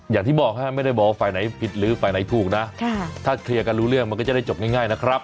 อย่างที่บอกไม่ได้บอกว่าฝ่ายไหนผิดหรือฝ่ายไหนถูกนะถ้าเคลียร์กันรู้เรื่องมันก็จะได้จบง่ายนะครับ